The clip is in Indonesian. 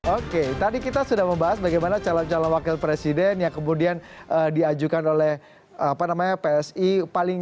oke tadi kita sudah membahas bagaimana calon calon wakil presiden yang kemudian diajukan oleh psi